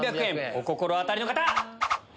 お心当たりの方！